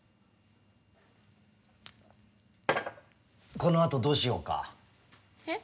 このあとどうしようか？え？